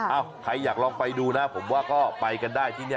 ใครอยากลองไปดูนะผมว่าก็ไปกันได้ที่นี่